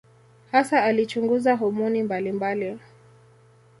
Hasa alichunguza homoni mbalimbali.